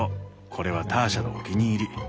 これはターシャのお気に入り。